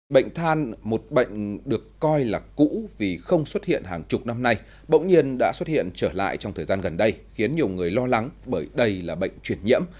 bệnh than một bệnh được coi là cũ vì không xuất hiện hàng chục năm nay bỗng nhiên đã xuất hiện trở lại trong thời gian gần đây khiến nhiều người lo lắng bởi đây là bệnh chuyển nhiễm